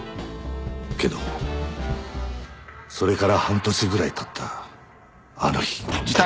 けどそれから半年ぐらいたったあの日。